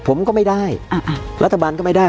ผมก็ไม่ได้รัฐบาลก็ไม่ได้